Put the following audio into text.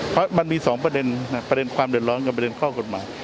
เพราะมันมี๒ประเด็นประเด็นความเดือดร้อนกับประเด็นข้อกฎหมาย